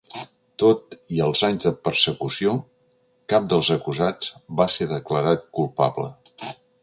Tot i els anys de persecució, cap dels acusats va ser declarat culpable.